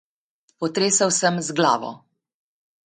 Potresel sem glavo.